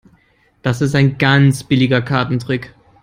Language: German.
Das ist ein ganz billiger Kartentrick.